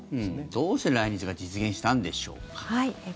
どうして来日が実現したんでしょうか。